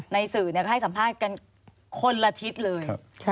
สื่อก็ให้สัมภาษณ์กันคนละทิศเลย